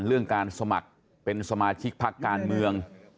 เรื่องการสมัครเป็นสมาชิกพักการเมือง